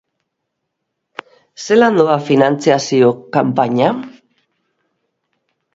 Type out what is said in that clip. Zelan doa finantzazio kanpaina?